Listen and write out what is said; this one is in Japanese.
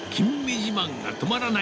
自慢が止まらない。